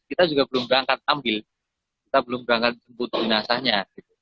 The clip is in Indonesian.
kita juga belum berangkat ambil kita belum berangkat jemput jenazahnya